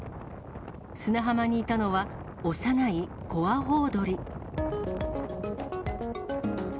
砂浜にいたのは、幼いコアホウドリ。